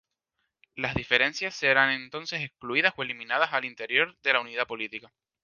Las diferencias serán entonces excluidas o eliminadas al interior de la unidad política.